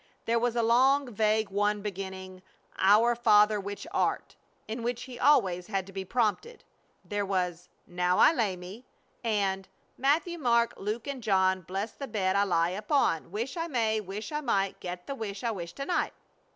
There was a long, vague one beginning, "Our Father which art," in which he always had to be prompted. There was, "Now I lay me," and "Matthew, Mark, Luke, and John, bless the bed I lie upon; Wish I may, wish I might, get the wish I wish to night!"